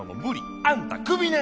あんたクビね！